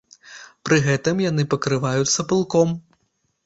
Пры гэтым яны пакрываюцца пылком.